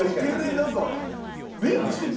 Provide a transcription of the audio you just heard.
なんかメイクしてる？